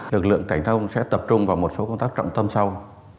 lực lượng cảnh sát giao thông sẽ tập trung vào một số công tác trọng tâm sau